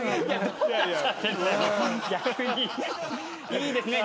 いいですね。